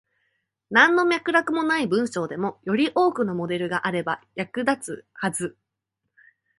なんの脈絡がない文章でも、より多くのモデルがあれば役立つはず。